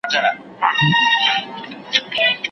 ښوونکی له ډېرې مودې راهیسې ادبي تاریخ تدریسوي.